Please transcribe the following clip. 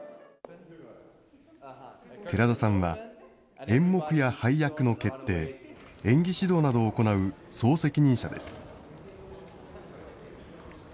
寺田さんは、演目や配役の決定、演技指導などを行う総責任者です。